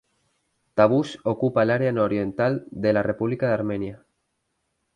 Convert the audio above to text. Tavush ocupa el área nororiental de la República de Armenia.